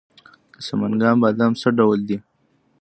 د سمنګان بادام څه ډول دي؟